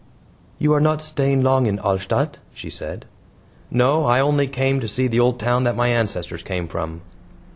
"You are not staying long in Alstadt?" she said. "No; I only came to see the old town that my ancestors came from."